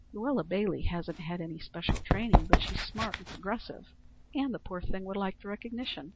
Luella Bailey hasn't had any special training, but she's smart and progressive, and the poor thing would like the recognition.